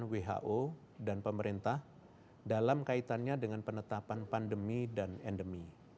who dan pemerintah dalam kaitannya dengan penetapan pandemi dan endemi